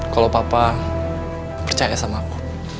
kalau papa percaya sama aku